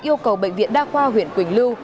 của bệnh viện đa khoa huyện quỳnh lưu